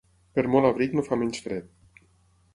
Per molt abric no fa menys fred.